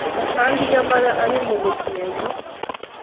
Kandi nyamara ari mu bugingo